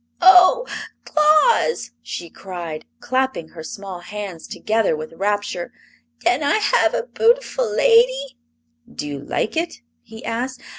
"Oh, Tlaus!" she cried, clapping her small hands together with rapture; "tan I have 'at boo'ful lady?" "Do you like it?" he asked.